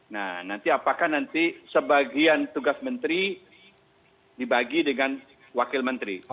nah nanti apakah nanti sebagian tugas menteri dibagi dengan wakil menteri